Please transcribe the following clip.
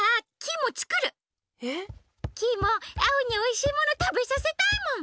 えっ？キイもアオにおいしいものたべさせたいもん。